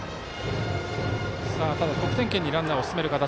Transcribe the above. ただ得点圏にランナーを進める形。